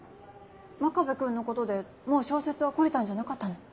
真壁君のことでもう小説は懲りたんじゃなかったの？